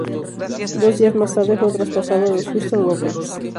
Dos días más tarde, fue traspasado a los Houston Rockets.